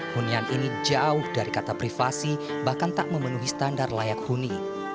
hunian ini jauh dari kata privasi bahkan tak memenuhi standar layak huni